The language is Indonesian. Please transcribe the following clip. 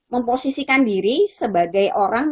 memposisikan diri sebagai orang